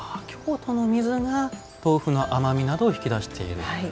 京都の水が豆腐の甘みなどを引き出している。